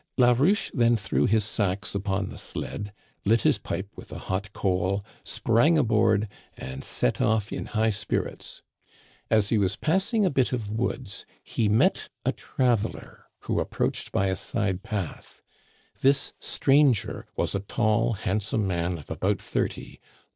"Larouche then threw his sacks upon the sled, lit his pipe with a hot coal, sprang aboard, and set off in high spirits^ " As he was passing a bit of woods he met a traveler, who approached by a side path. " This stranger was a tall, handsome man of about thirty.